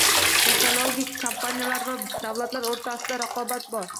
Texnologik kompaniyalar va davlatlar o’rtasidagi raqobat bor.